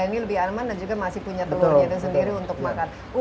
ini lebih aman dan juga masih punya telurnya itu sendiri untuk makan